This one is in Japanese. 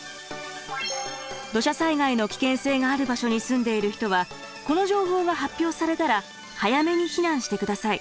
土砂災害の危険性がある場所に住んでいる人はこの情報が発表されたら早めに避難して下さい。